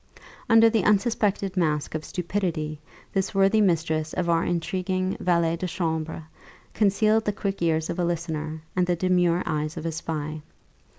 Under the unsuspected mask of stupidity this worthy mistress of our intriguing valet de chambre concealed the quick ears of a listener, and the demure eyes of a spy.